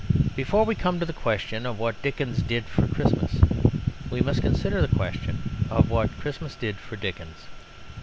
Before we come to the question of what Dickens did for Christmas we must consider the question of what Christmas did for Dickens.